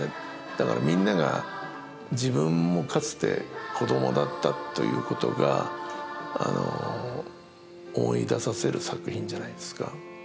だからみんなが自分もかつて子供だったということがあの思い出させる作品じゃないですか。